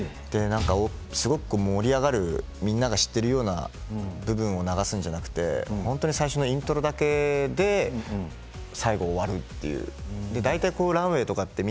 すごく盛り上がるみんなが知っているような部分を流すんじゃなくて最初のイントロだけで最後、終わるという。